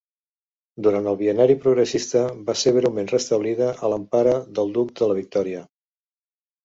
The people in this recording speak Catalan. Durant el Bienni Progressista va ser breument restablida a l'empara del Duc de la Victòria.